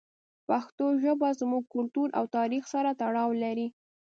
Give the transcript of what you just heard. پښتو ژبه زموږ کلتور او تاریخ سره تړاو لري.